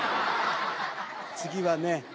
次はね